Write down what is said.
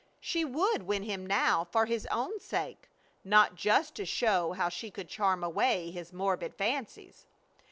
She would win him now for his own sake, not just to show how she could charm away his morbid fancies.